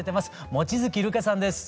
望月琉叶さんです。